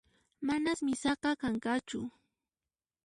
Manas misaqa kanqachu